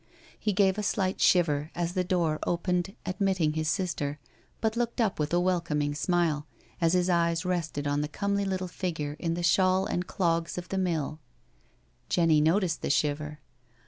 He gave a slight shiver as the door opened admitting his sister, but looked up with a welcoming smile, as his eyes rested on the comely little figure in the shawl and clogs of the mill, Jenny noticed the shiver.